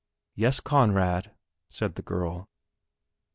"Yes, Conrad," said the girl.